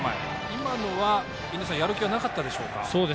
今のは印出さん、やる気がなかったでしょうか。